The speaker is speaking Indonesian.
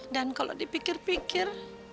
dan kalau dipikir pikir